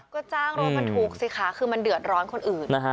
ก็จ้างโรงพนันทุกข์สิคะมันเดือดร้อนคนอื่น